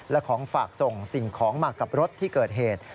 และของฝากส่งสิ่งของมากับรถที่เกิดเหตุ